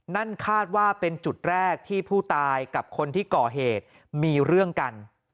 นั่นคาดว่าเป็นจุดแรกที่ผู้ตายกับคนที่ก่อเหตุมีเรื่องกัน